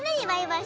はい。